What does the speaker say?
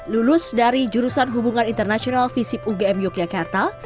lulus dari jurusan hubungan internasional visip ugm yogyakarta